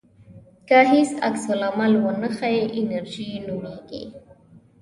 که هیڅ عکس العمل ونه ښیې انېرژي نومېږي.